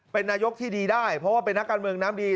เป็นนายกที่ดีได้เพราะว่าเป็นนักการเมืองน้ำดี